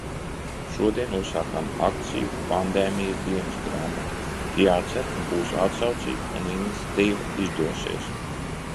Šodien uzsākām akciju "Pandēmijas dienasgrāmata". Jācer, ka būs atsaucība un iniciatīva izdosies.